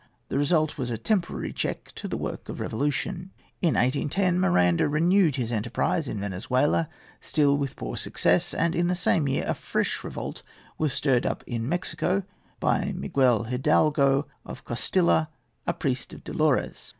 The result was a temporary check to the work of revolution. In 1810 Miranda renewed his enterprise in Venezuela, still with poor success; and in the same year a fresh revolt was stirred up in Mexico by Miguel Hidalgo, of Costilla, a priest of Dolores.